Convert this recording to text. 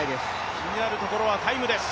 気になるところはタイムです。